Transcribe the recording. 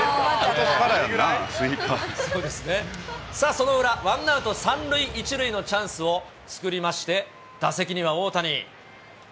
その裏、ワンアウト３塁１塁のチャンスを作りまして、打席には大谷。